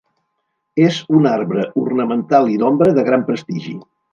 És un arbre ornamental i d'ombra de gran prestigi.